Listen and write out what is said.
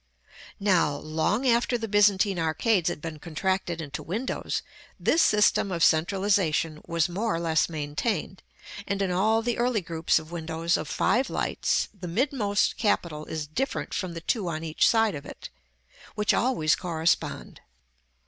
§ VIII. Now, long after the Byzantine arcades had been contracted into windows, this system of centralization was more or less maintained; and in all the early groups of windows of five lights the midmost capital is different from the two on each side of it, which always correspond.